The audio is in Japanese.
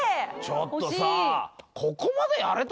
ちょっとさ